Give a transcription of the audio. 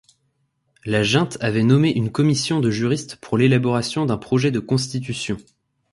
La junte avait nommé une commission de juristes pour l'élaboration d'un projet de constitution.